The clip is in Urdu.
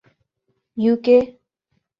یو کے